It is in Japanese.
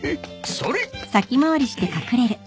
それ！